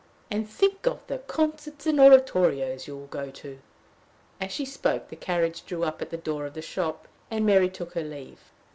And think of the concerts and oratorios you will go to!" As she spoke, the carriage drew up at the door of the shop, and Mary took her leave.